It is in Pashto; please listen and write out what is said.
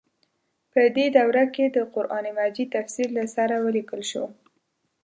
په دې دوره کې د قران مجید تفسیر له سره ولیکل شو.